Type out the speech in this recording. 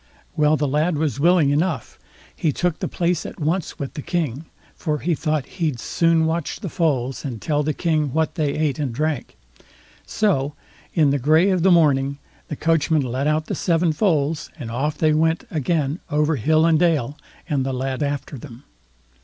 Well, the lad was willing enough; he took the place at once with the King, for he thought he'd soon watch the foals, and tell the King what they ate and drank. So, in the gray of the morning, the coachman let out the seven foals, and off they went again over hill and dale, and the lad after them.